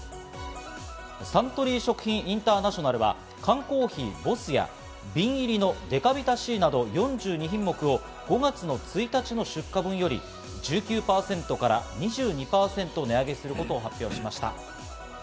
サントリー食品インターナショナルは缶コーヒー・ボスや、瓶入りのデカビタＣなど、４２品目を、５月１日出荷分より１９％から２２％値上げすることを発表しました。